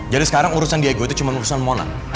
jadi sekarang urusan diego itu cuman urusan mona